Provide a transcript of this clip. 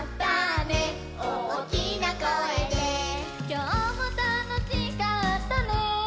「きょうもたのしかったね」